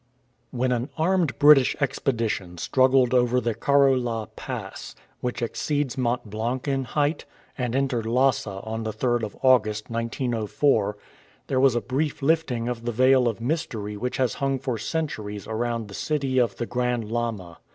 WHEN an armed British expedition struggled over the Karo la Pass, which exceeds Mont Blanc in height, and entered Lhasa on the 3rd of August, 1904, there was a brief lifting of the veil of mystery which has hung for centuries around the city of the Grand Lama.